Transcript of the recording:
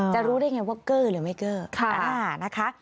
จะรู้ได้ยังไงว่าเกอร์หรือไม่เกอร์